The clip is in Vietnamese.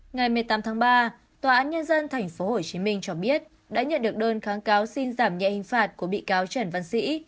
ngày một mươi tám tháng ba tòa án nhân dân tp hcm cho biết đã nhận được đơn kháng cáo xin giảm nhẹ hình phạt của bị cáo trần văn sĩ